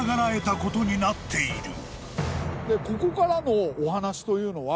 ここからのお話というのは。